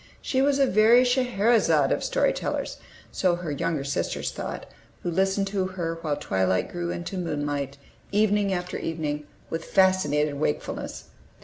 She was a very Scheherezade of story tellers, so her younger sisters thought, who listened to her while twilight grew into moonlight, evening after evening, with fascinated wakefulness.